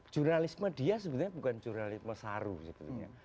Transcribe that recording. jurnalisme dia sebenarnya bukan jurnalisme saru sebetulnya